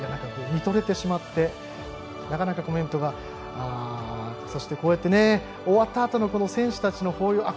見とれてしまってなかなかコメントが。そして、終わったあとの選手たちの抱擁。